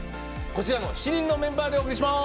こちらの７人のメンバーでお送りします。